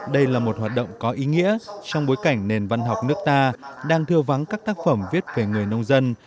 đây là một hoạt động có ý nghĩa trong bối cảnh nền văn học nước ta đang thưa vắng các tác phẩm viết về người nông dân